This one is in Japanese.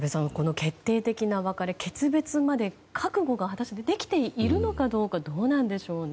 決定的な別れ、この訣別まで覚悟が果たして、できているのかどうなんでしょうね。